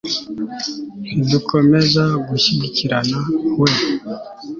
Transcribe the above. ntidukomeza gushyikirana na we